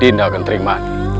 dinda akan terima